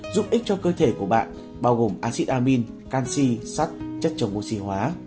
giúp ích cho cơ thể của bạn bao gồm acid amin canxi sắt chất chống oxy hóa